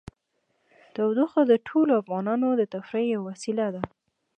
تودوخه د ټولو افغانانو د تفریح یوه وسیله ده.